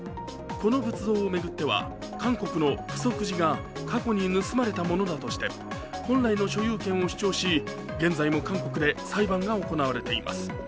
この仏像を巡っては韓国のプソク寺が過去に盗まれたものだとして本来の所有権を主張し、現在も韓国で裁判が行われています。